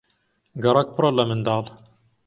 گەڕەک پڕە لە منداڵ.